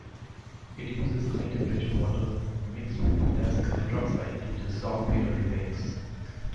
It uses high temperature water mixed with potassium hydroxide to dissolve human remains.